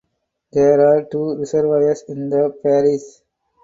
There are two reservoirs in the parish.